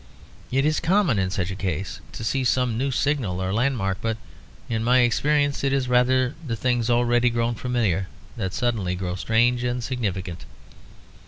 It is common in such a case to see some new signal or landmark; but in my experience it is rather the things already grown familiar that suddenly grow strange and significant.